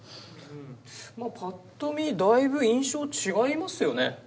まあパッと見だいぶ印象違いますよね。